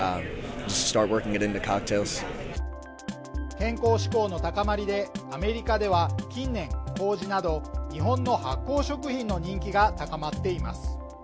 健康志向の高まりで、アメリカでは近年、こうじなど日本の発酵食品の人気が高まっています